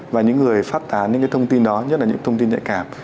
và những người phát tán những thông tin đó nhất là những thông tin nhạy cảm